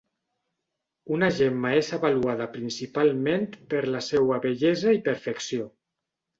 Una gemma és avaluada principalment per la seua bellesa i perfecció.